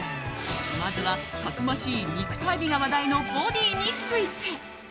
まずはたくましい肉体美が話題のボディーについて。